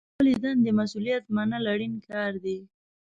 د خپلې دندې مسوولیت منل اړین کار دی.